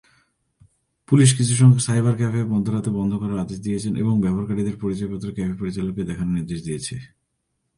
Police কিছুসংখ্যক cyber cafe মধ্যরাতে বন্ধ করার আদেশ দিয়েছে এবং ব্যবহারকারীদের পরিচয়পত্র ক্যাফে পরিচালককে দেখানোর নির্দেশ দিয়েছে।